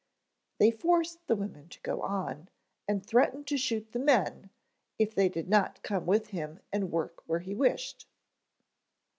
They forced the women to go on, and threatened to shoot the men if, they did not come with him and work where he wished."